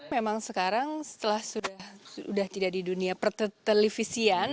memang sekarang setelah sudah tidak di dunia pertelevisian